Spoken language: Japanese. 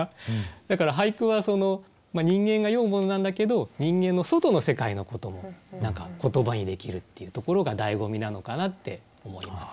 だから俳句は人間が詠むものなんだけど人間の外の世界のことも言葉にできるっていうところがだいご味なのかなって思います。